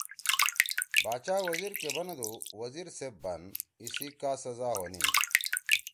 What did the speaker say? باچا وزیر کے بنَدُو: ”وزیر صیب بن! ایِسی کا سزا ہونیِن۔“